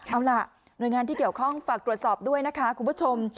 เอาล่ะหน่วยงานที่เกี่ยวข้องฝากตรวจสอบด้วยนะคะคุณผู้ชม